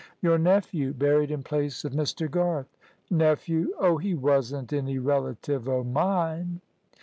"Your nephew buried in place of Mr. Garth." "Nephew! Oh, he wasn't any relative o' mine."